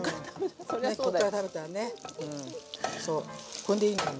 こんでいいんだよ